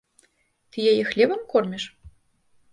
Ты яе хлебам корміш?